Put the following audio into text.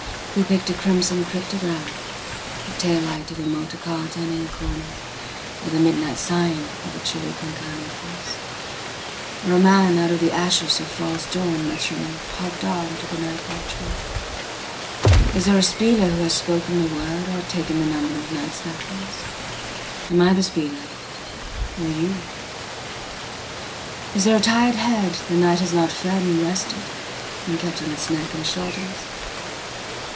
Who picked a crimson cryptogram, the tail light of a motor car turning a corner, or the midnight sign of a chile con carne place, or a man out of the ashes of false dawn muttering "hot dog" to the night watchmen:Is there a spieler who has spoken the word or taken the number of night's nothings? am I the spieler? or you? Is there a tired headthe night has not fed and restedand kept on its neck and shoulders?